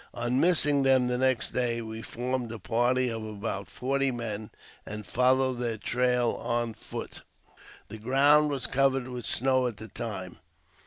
On missing them the next day, we formed a party of about forty men, and followed their trail on foot — the ground was covered with snow at the time.